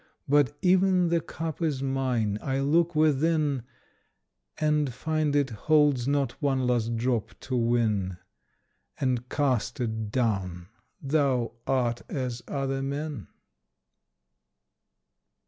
But even the cup is mine. I look within, And find it holds not one last drop to win, And cast it down. Thou art as other men.